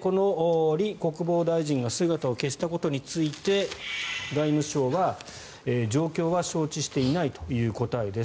このリ国防大臣が姿を消したことについて外務省は、状況は承知していないという答えです。